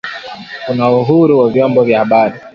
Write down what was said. kuna uhuru wa vyombo vya habari